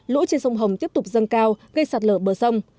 lũ trên sông hồng tiếp tục dâng cao gây sạt lở bờ sông